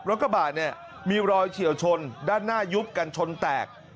กระบาดเนี่ยมีรอยเฉียวชนด้านหน้ายุบกันชนแตก